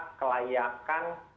itu betul betul harus dilakukan